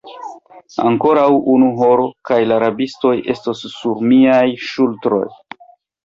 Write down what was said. Ankoraŭ unu horo, kaj la rabistoj estos sur miaj ŝultroj.